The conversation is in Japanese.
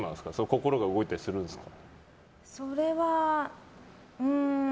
心が動いたりするんですか。